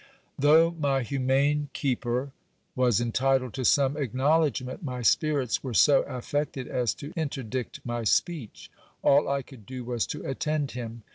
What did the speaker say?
Though my humane keeper was entitled to some acknowledgment, my spirits were so affected as to interdict my speech. All I could do was to attend him.